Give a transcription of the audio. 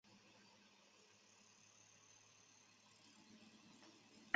西兴街道是中国浙江省杭州市滨江区下辖的一个街道。